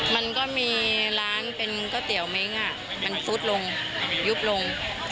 มันก็มีร้านเป็นก๋วยเตี๋ยวเม้งมันซุดลงยุบลง